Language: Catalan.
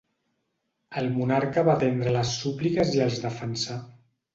El monarca va atendre les súpliques i els defensà.